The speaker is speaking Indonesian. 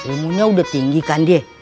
ilmunya udah tinggi kan deh